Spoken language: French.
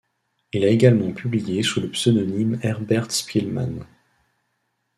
Il a également publié sous le pseudonyme Herbert Spielmann.